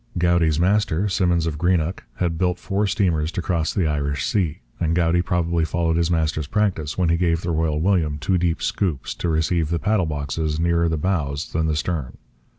Goudie's master, Simmons of Greenock, had built four steamers to cross the Irish Sea; and Goudie probably followed his master's practice when he gave the Royal William two deep 'scoops' to receive the paddle boxes nearer the bows than the stern.